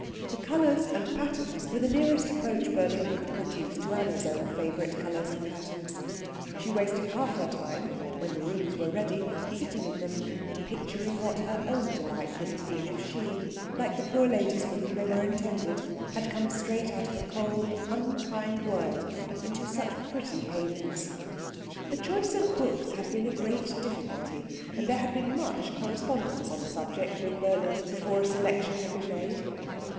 The colours and patterns were the nearest approach Berlin could produce to Anna's own favourite colours and patterns. She wasted half her time, when the rooms were ready, sitting in them and picturing what her own delight would have been if she, like the poor ladies for whom they were intended, had come straight out of a cold, unkind world into such pretty havens. The choice of books had been a great difficulty, and there had been much correspondence on the subject with Berlin before a selection had been made.